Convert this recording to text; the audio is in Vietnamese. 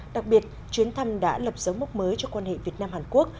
đặc biệt chuyến thăm đã lập dấu mốc mới cho quan hệ việt nam hàn quốc